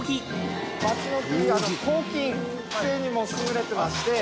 抗菌性にも優れてまして。